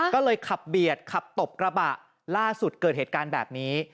ก็เลยขับเบียดขับตบกระบะล่าสุดเกิดเหตุการณ์แบบนี้